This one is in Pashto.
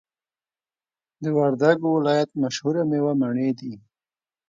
د وردګو ولایت مشهوره میوه مڼی دی